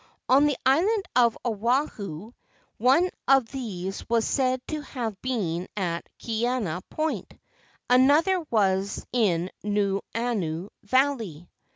On the island of Oahu, one of these was said to have been at Kaena Point; another was in Nuuanu Valley.